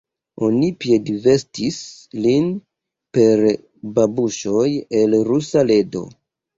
Oni piedvestis lin per babuŝoj el Rusa ledo.